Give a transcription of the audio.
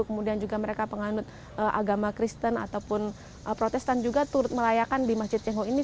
kemudian juga mereka penganut agama kristen ataupun protestan juga turut merayakan di masjid cengho ini